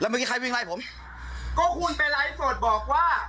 เมื่อกี้ใครวิ่งไล่ผมก็คุณไปไลฟ์สดบอกว่า